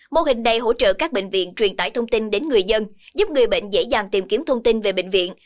mô hình này hỗ trợ các bệnh viện truyền tải thông tin đến người dân giúp người bệnh dễ dàng tìm kiếm thông tin về bệnh viện